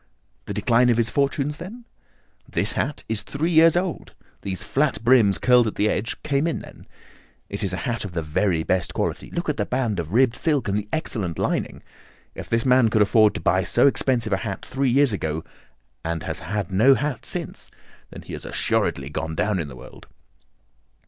"The decline of his fortunes, then?" "This hat is three years old. These flat brims curled at the edge came in then. It is a hat of the very best quality. Look at the band of ribbed silk and the excellent lining. If this man could afford to buy so expensive a hat three years ago, and has had no hat since, then he has assuredly gone down in the world."